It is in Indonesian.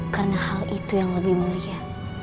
karena hal itu yang lebih mulia